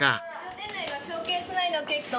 店内はショーケース内のケーキと